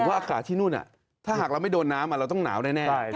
อากาศที่นู่นถ้าหากเราไม่โดนน้ำเราต้องหนาวแน่